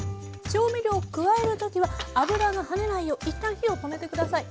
調味料を加える時は脂がはねないよう一旦火を止めて下さい。